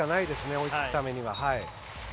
追いつくためには。